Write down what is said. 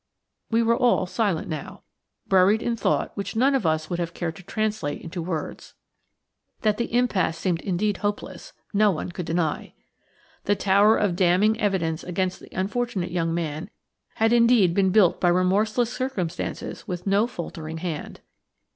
We were all silent now, buried in thought which none of us would have cared to translate into words. That the impasse seemed indeed hopeless no one could deny. The tower of damning evidence against the unfortunate young man had indeed been built by remorseless circumstances with no faltering hand.